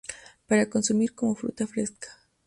Para consumir como fruta fresca.